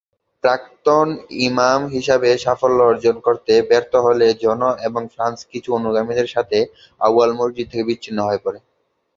প্রাক্তন ইমাম হিসাবে সাফল্য অর্জন করতে ব্যর্থ হলে জন এবং ফ্রান্স কিছু অনুগামীদের সাথে আউয়াল মসজিদ থেকে বিচ্ছিন্ন হয়ে পড়ে।